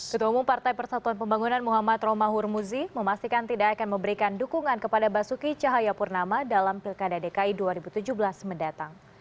ketua umum partai persatuan pembangunan muhammad romahur muzi memastikan tidak akan memberikan dukungan kepada basuki cahayapurnama dalam pilkada dki dua ribu tujuh belas mendatang